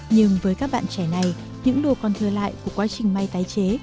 nhưng với các bạn trẻ này những đồ còn thừa lại của quá trình may tái chế